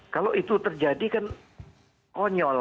kalau itu terjadi kan konyol